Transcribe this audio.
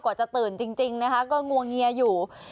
จะตื่นจริงนะคะก็งวงเงียอยู่